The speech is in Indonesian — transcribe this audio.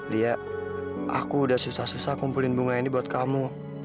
lia aku udah susah susah kumpulin bunga ini buat kamu